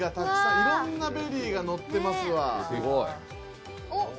いろんなベリーがのってますわ。